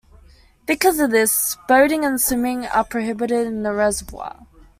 Because of this, boating and swimming are prohibited in the reservoir.